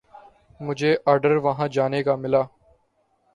مجھے آرڈر وہاں جانے کا ملا۔